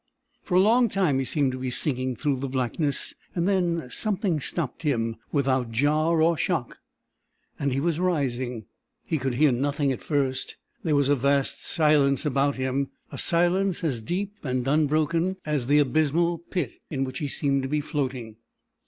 For a long time he seemed to be sinking through the blackness; and then something stopped him, without jar or shock, and he was rising. He could hear nothing at first. There was a vast silence about him, a silence as deep and unbroken as the abysmal pit in which he seemed to be floating.